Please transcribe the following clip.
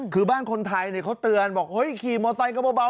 คือบ้านคนไทยเนี่ยเขาเตือนบอกเฮ้ยขี่มอสไทยกระเบา